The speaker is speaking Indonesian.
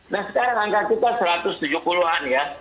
nah sekarang angka kita satu ratus tujuh puluh an ya